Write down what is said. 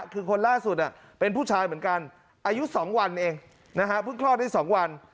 คือคนล่าสุดเป็นผู้ชายเหมือนกันอายุ๒วันเองนะฮะเพิ่งคลอดได้๒วัน